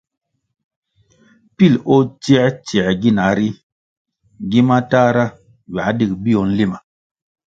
Pilʼ o tsiē tsiē gina ri, gi matahra ywā digʼ bio nlima.